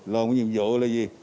làm nhiệm vụ là gì